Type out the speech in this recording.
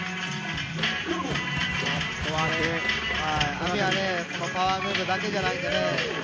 ＡＭＩはパワームーブだけじゃないのでね。